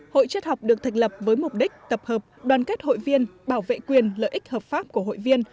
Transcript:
hội chết học được thành lập với mục đích tập hợp đoàn kết hội viên bảo vệ quyền lợi ích hợp pháp của hội viên